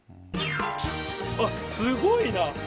あっ、すごいな。